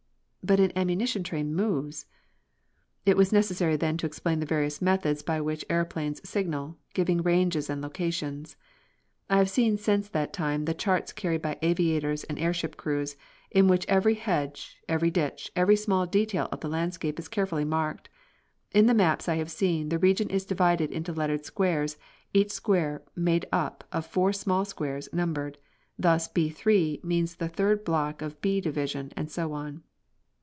"But an ammunition train moves." It was necessary then to explain the various methods by which aëroplanes signal, giving ranges and locations. I have seen since that time the charts carried by aviators and airship crews, in which every hedge, every ditch, every small detail of the landscape is carefully marked. In the maps I have seen the region is divided into lettered squares, each square made up of four small squares, numbered. Thus B 3 means the third block of the B division, and so on.